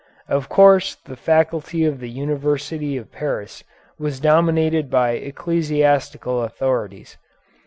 Of course the faculty of the University of Paris was dominated by ecclesiastical authorities.